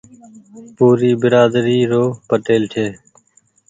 پوري بيرآدري رو پٽيل ڇي۔